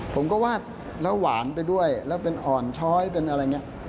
วาดแล้วหวานไปด้วยแล้วเป็นอ่อนช้อยเป็นอะไรอย่างนี้